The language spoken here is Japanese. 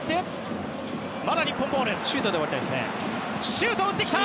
シュートを打った！